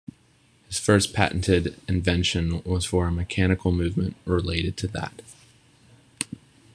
His first patented invention was for a "mechanical movement" related to that.